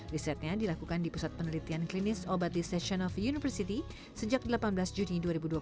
risetnya dilakukan di pusat penelitian klinis obat di session of university sejak delapan belas juni dua ribu dua puluh